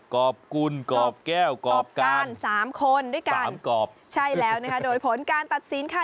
กรอบกุลกรอบแก้วกรอบการสามคนด้วยกันกรอบใช่แล้วนะคะโดยผลการตัดสินค่ะ